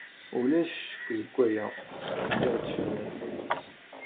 Ulac ccekk deg waya. D iɣezfanen.